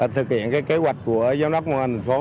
thực hiện kế hoạch của giám đốc công an thành phố